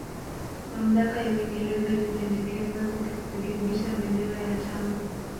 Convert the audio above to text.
Mamlaka ya Uingereza ilipendekeza kurekebisha bendera ya chama